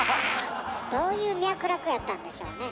どういう脈絡やったんでしょうね。